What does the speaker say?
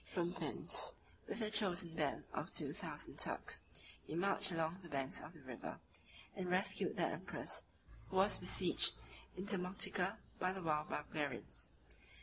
From thence, with a chosen band of two thousand Turks, he marched along the banks of the river, and rescued the empress, who was besieged in Demotica by the wild Bulgarians.